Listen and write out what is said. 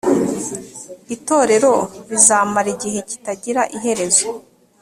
itorero rizamara igihe kitagira iherezo